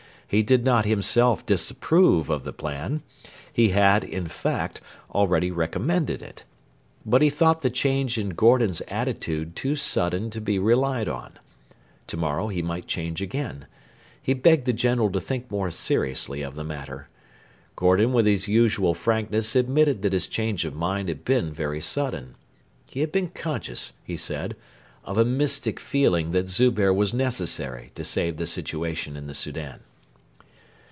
He did not himself disapprove of the plan. He had, in fact, already recommended it. But he thought the change in Gordon's attitude too sudden to be relied on. To morrow he might change again. He begged the General to think more seriously of the matter. Gordon with his usual frankness admitted that his change of mind had been very sudden. He had been conscious, he said, of a 'mystic feeling' that Zubehr was necessary to save the situation in the Soudan.